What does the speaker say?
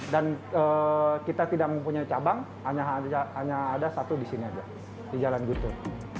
dan kita tidak mempunyai cabang hanya ada satu di sini aja di jalan gutur